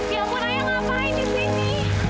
ya ampun ayah ngapain disini